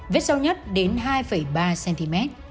vết sâu nhất đến hai ba cm